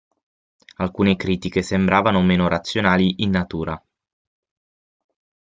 Alcune critiche sembravano meno razionali in natura.